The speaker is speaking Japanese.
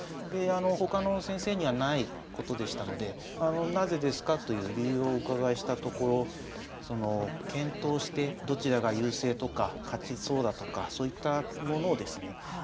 他の先生にはないことでしたのでなぜですかという理由をお伺いしたところ検討してどちらが優勢とか勝ちそうだとかそういったものをですね